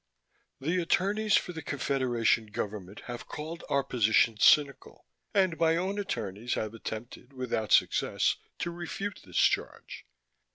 The attorneys for the Confederation government have called our position cynical, and my own attorneys have attempted, without success, to refute this charge.